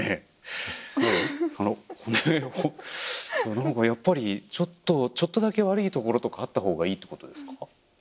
何かやっぱりちょっとだけ悪いところとかあった方がいいってことですか？